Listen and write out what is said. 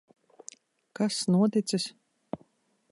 Kas noticis?